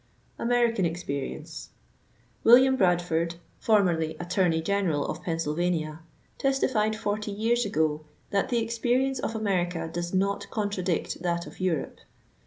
AMERICAN EXPERIENCE. William Bradford, formerly Attorney General of Pennsylvania, testified, forty years ago, that «* the experience of America does not contradict that of Europe."